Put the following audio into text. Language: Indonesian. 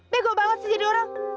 mego banget sih jadi orang